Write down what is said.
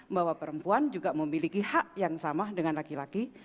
bahwa perempuan juga memiliki hak yang sama dengan laki laki